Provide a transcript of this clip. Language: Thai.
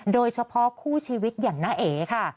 โดยเฉพาะคู่ชีวิตอย่างน้าเอ๋ค่ะ